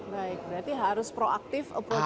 baik berarti harus proaktif approach